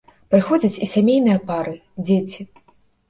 Прыходзяць і сямейныя пары, дзеці.